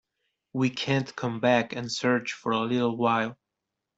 We can't come back and search for a little while.